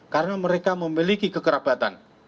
karena mereka memiliki kekerabatan